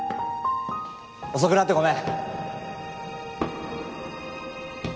遅くなってごめん。